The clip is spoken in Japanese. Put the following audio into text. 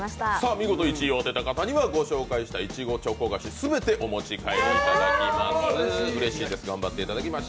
見事１位を当てた方にはご紹介したいちごチョコ菓子、全てお持ち帰りいただきます。